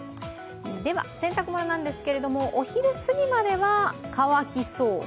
洗濯物なんですけれどもお昼過ぎまでは乾きそう。